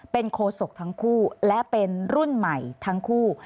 เป็นโคศกทั้งคู่และเป็นรุ่นใหม่ทั้งคู่